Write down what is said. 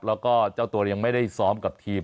แล้วก็ตัวเองยังไม่ได้ซ้อมกับทีม